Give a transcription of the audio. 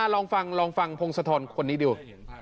ลองฟังลองฟังพงศธรคนนี้ดู